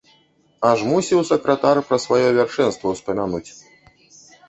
Аж мусіў сакратар пра сваё вяршэнства ўспамянуць.